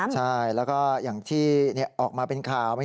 ใช่แล้วก็อย่างที่ออกมาเป็นข่าว